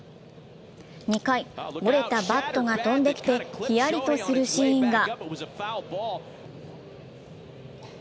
２回、折れたバットが飛んできてひやりとするシーンが。